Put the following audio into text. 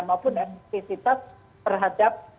maupun efektifitas terhadap